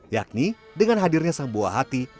yakni dengan hadirnya sang buah hati